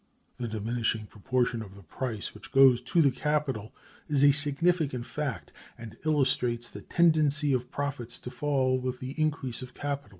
The diminishing proportion of the price which goes to the capital is a significant fact, and illustrates the tendency of profits to fall with the increase of capital.